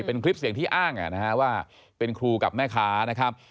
เป็นคลิปเสียงที่อ้างว่าเป็นครูกับแม่ค้านะครับ